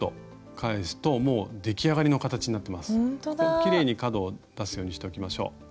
きれいに角を出すようにしておきましょう。